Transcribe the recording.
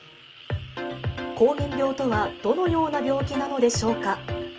膠原病とはどのような病気なのでしょうか。